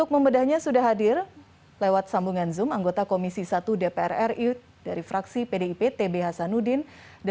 jenderal andika perkasa